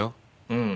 うん。